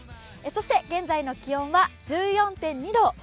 そして現在の気温は１４．２度。